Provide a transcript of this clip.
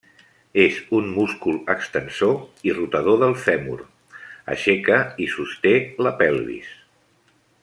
És un múscul extensor i rotador del fèmur; aixeca i sosté la pelvis.